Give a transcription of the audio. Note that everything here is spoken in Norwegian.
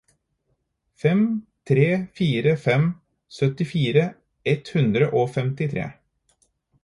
fem tre fire fem syttifire ett hundre og femtitre